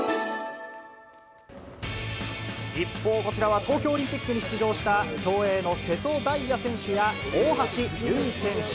一方、こちらは東京オリンピックに出場した競泳の瀬戸大也選手や大橋悠依選手。